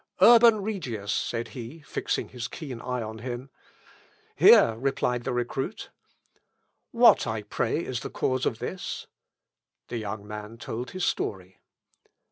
"Urban Regius!" said he, fixing his keen eye on him. "Here," replied the recruit. "What, pray, is the cause of this?" The young man told his story.